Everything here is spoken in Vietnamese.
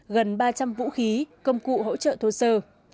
gần ba trăm linh vũ khí công cụ hỗ trợ thô sơ